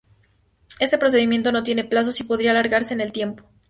Este procedimiento no tiene plazos y podría alargarse en el tiempo.